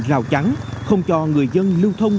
rào trắng không cho người dân lưu thông